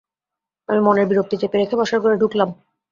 আমি মনের বিরক্তি চেপে রেখে বসার ঘরে ঢুকলাম।